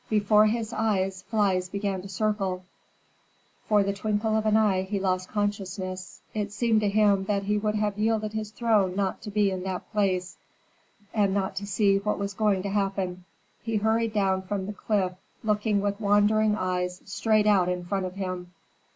Before his eyes flies began to circle; for the twinkle of an eye he lost consciousness; it seemed to him that he would have yielded his throne not to be at that place, and not to see what was going to happen. He hurried down from the cliff looking with wandering eyes straight out in front of him.